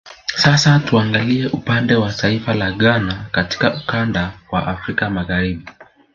Sasa tuangalie upande wa taifa la Ghana katika ukanda wa Afrika Magharibi